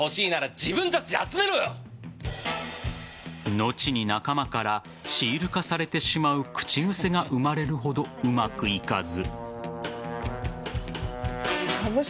後に仲間からシール化されてしまう口癖が生まれるほどうまくいかず。